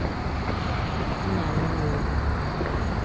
ọ na-ańụ mmiri.